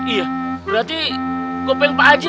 iya berarti gopeng pak haji